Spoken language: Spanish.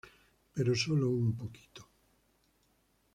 Pero solo un poquito.